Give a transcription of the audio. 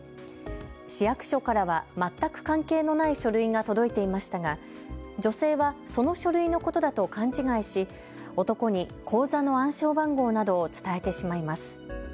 市役所からは全く関係のない書類が届いていましたが女性はその書類のことだと勘違いし男に口座の暗証番号などを伝えてしまいます。